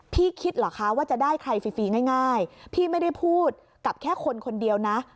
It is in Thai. คิดเหรอคะว่าจะได้ใครฟรีง่ายพี่ไม่ได้พูดกับแค่คนคนเดียวนะ